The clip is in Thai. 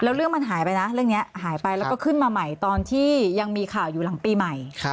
แล้วเรื่องมันหายไปนะเรื่องนี้หายไปแล้วก็ขึ้นมาใหม่ตอนที่ยังมีข่าวอยู่หลังปีใหม่